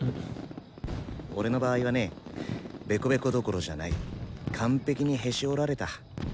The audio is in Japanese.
俺の場合はねベコベコどころじゃない完璧にへし折られた。